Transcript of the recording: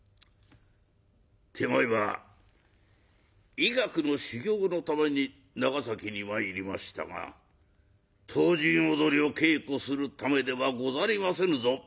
「手前は医学の修業のために長崎に参りましたが唐人踊りを稽古するためではござりませぬぞ」。